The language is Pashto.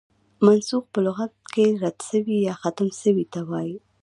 منسوخ په لغت کښي رد سوی، يا ختم سوي ته وايي.